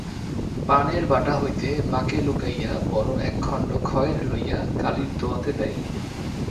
পানের বাটা হইতে মাকে লুকাইয়া বড় একখণ্ড খয়ের লইয়া কালির দোয়াতে দেয়।